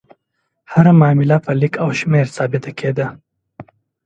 هره معامله په لیک او شمېر ثابته کېده.